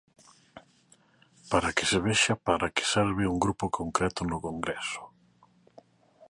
Para que se vexa para que serve un grupo concreto no Congreso.